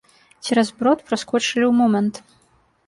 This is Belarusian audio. Цераз брод праскочылі ў момант.